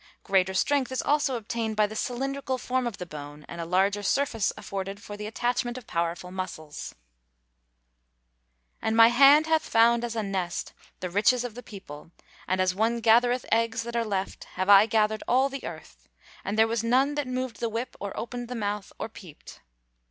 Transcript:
Greater strength is also obtained by the cylindrical form of the bone, and a larger surface afforded for the attachment of powerful muscles. [Verse: "And my hand hath found, as a nest, the riches of the people; and as one gathereth eggs that are left, have I gathered all the earth; and there was none that moved the whip, or opened the mouth, or peeped."